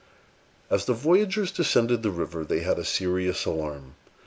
As the voyagers descended the river, they had a serious alarm.